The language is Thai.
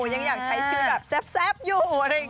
ยังอย่างใช้ชื่อแซ่บอยู่